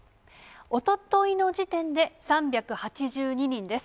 おとといの時点で３８２人です。